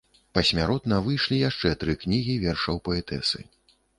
Пасмяротна выйшлі яшчэ тры кнігі вершаў паэтэсы.